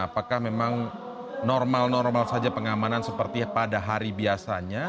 apakah memang normal normal saja pengamanan seperti pada hari biasanya